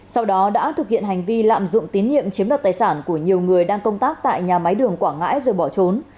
sau đó đã thực hiện hành vi lạm dụng tín nhiệm chiếm đoạt tài sản của nhiều người đang công tác tại nhà máy đường quảng ngãi rồi bỏ trốn